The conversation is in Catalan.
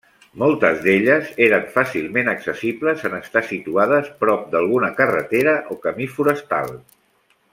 Moltes d'elles eren fàcilment accessibles en estar situades prop d'alguna carretera o camí forestal.